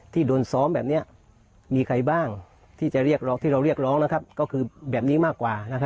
ที่โดนซ้อมแบบนี้มีใครบ้างที่เราเรียกร้องก็คือแบบนี้มากกว่า